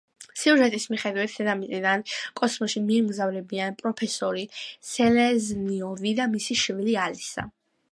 სიუჟეტის მიხედვით, დედამიწიდან კოსმოსში მიემგზავრებიან პროფესორი სელეზნიოვი და მისი შვილი ალისა.